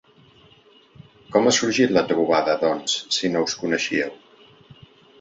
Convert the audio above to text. Com ha sorgit la trobada, doncs, si no us coneixíeu?